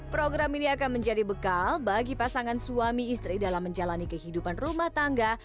program ini akan menjadi bekal bagi pasangan suami istri dalam menjalani kehidupan rumah tangga